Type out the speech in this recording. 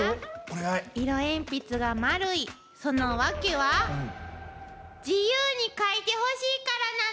色鉛筆が丸いそのワケは自由に描いてほしいからなの！